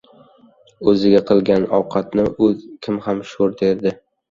• O‘zi qilgan ovqatni kim ham sho‘r derdi?